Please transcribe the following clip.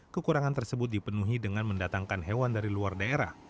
kekurangan tersebut dipenuhi dengan mendatangkan hewan dari luar daerah